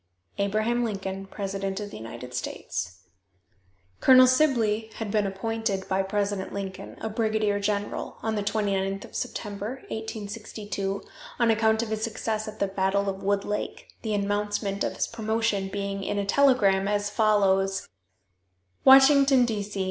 "ABRAHAM LINCOLN, "President of the United States." Colonel Sibley had been appointed, by President Lincoln, a brigadier general, on the 29th of September, 1862, on account of his success at the battle of Wood Lake, the announcement of his promotion being in a telegram, as follows: "Washington, D. C.